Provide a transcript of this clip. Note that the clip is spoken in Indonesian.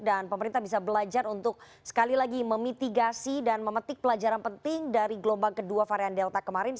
dan pemerintah bisa belajar untuk sekali lagi memitigasi dan memetik pelajaran penting dari gelombang kedua varian delta kemarin